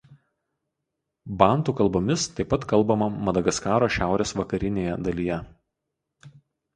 Bantų kalbomis taip pat kalbama Madagaskaro šiaurės vakarinėje dalyje.